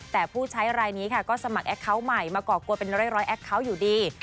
แต่ผู้ใช้รายนี้ค่ะก็สมัครแอคเคาน์ใหม่มาก่อกวนเป็นร้อยแอคเคาน์อยู่ดี